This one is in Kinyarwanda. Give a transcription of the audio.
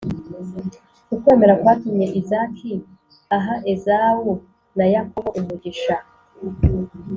ukwemera kwatumye izaki ahaezawu na yakobo umugisha.